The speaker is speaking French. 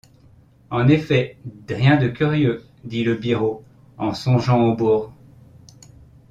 En effet, rien de curieux... dit le biró, en songeant au burg.